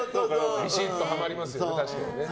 ビシッとハマりますよね、確かに。